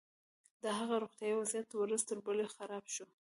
د هغه روغتيايي وضعيت ورځ تر بلې خراب شو.